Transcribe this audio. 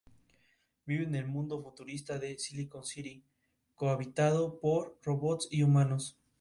Vive en el mundo futurista de Silicon City, co-habitado por robots y humanos.